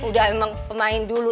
udah emang pemain dulu